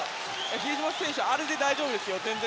比江島選手、あれで全然大丈夫ですよ。